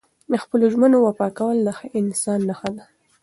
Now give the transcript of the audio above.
د خپلو ژمنو وفا کول د ښه انسان نښه ده.